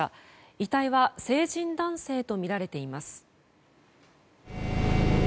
遺体は成人男性とみられています。